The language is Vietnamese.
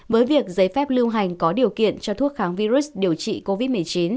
với việc giấy phép lưu hành có điều kiện cho thuốc kháng virus điều trị covid một mươi chín